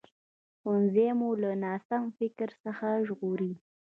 ښوونځی مو له ناسم فکر څخه ژغوري